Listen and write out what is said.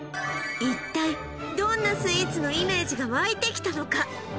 一体どんなスイーツのイメージが湧いてきたのか？